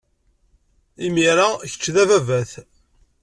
Imir-a, kečč d ababat.